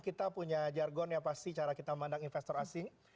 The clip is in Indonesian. kita punya jargon ya pasti cara kita memandang investor asing